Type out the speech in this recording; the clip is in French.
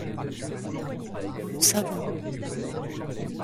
Nous le savons.